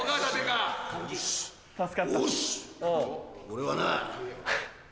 俺はな。